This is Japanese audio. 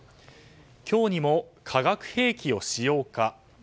今日にも化学兵器を使用か。